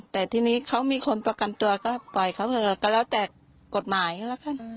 แต่ทีนี้เขามีคนประกันตัวก็ปล่อยเขาเถอะก็แล้วแต่กฎหมายแล้วกัน